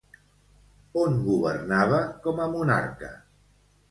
On governava com a monarca?